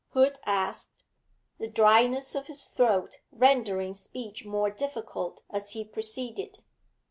Hood asked, the dryness of his throat rendering speech more difficult as he proceeded.